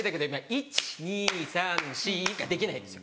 「１・２・３・４」ができないんです。